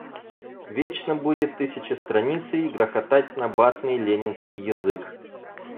Вечно будет тысячестраницый грохотать набатный ленинский язык.